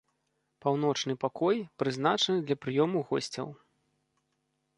Паўночны пакой прызначаны для прыёму госцяў.